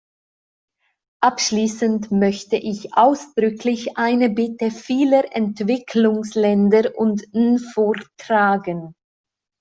Abschließend möchte ich ausdrücklich eine Bitte vieler Entwicklungsländer und Nvortragen.